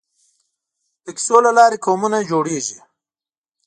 د کیسو له لارې قومونه جوړېږي.